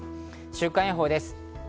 週間予報です。